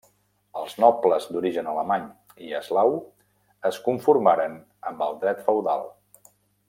Els nobles d'origen alemany i eslau es conformaren amb el dret feudal.